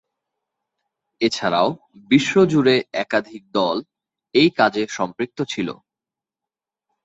এছাড়াও বিশ্বজুড়ে একাধিক দল এই কাজে সম্পৃক্ত ছিল।